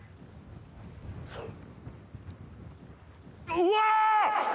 うわ！